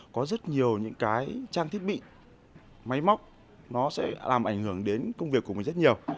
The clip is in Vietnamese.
có rất nhiều những cái trang thiết bị máy móc nó sẽ làm ảnh hưởng đến công việc của mình rất nhiều